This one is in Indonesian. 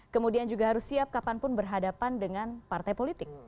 kemudian juga harus siap kapanpun berhadapan dengan partai politik